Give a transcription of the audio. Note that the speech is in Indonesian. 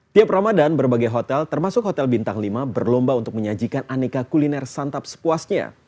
tiap ramadan berbagai hotel termasuk hotel bintang lima berlomba untuk menyajikan aneka kuliner santap sepuasnya